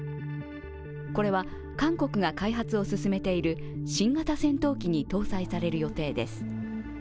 これは韓国が開発を進めている新型戦闘機に搭載される予定です。